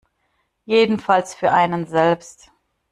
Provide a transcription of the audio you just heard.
Jedenfalls für einen selbst.